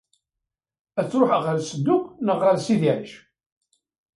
Ad tṛuḥ ɣer Sedduq neɣ ɣer Sidi ɛic?